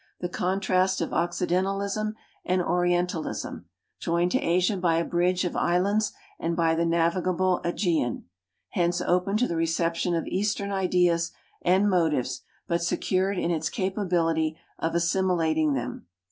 The contrast of occidentalism and orien talism. Joined to Asia by a bridge of islands and by the navigable iEgean. Hence open to the reception of eastern ideas and motives, but secured in its capability of assimilating them.